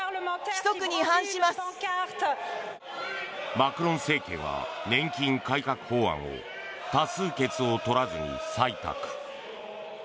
マクロン政権は年金改革法案を多数決を取らずに採択。